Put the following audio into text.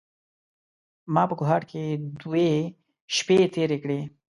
ما په کوهاټ کې دوې شپې تېرې کړې.